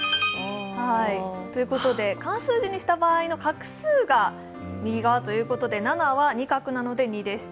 漢数字にした場合の画数が右側ということで７は２画なので２でした。